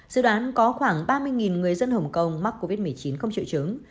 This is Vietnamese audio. dự đoán có khoảng ba mươi người dân hồng kông mắc covid một mươi chín không triệu chứng